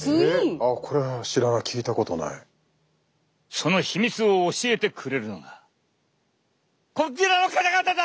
その秘密を教えてくれるのがこちらの方々だ！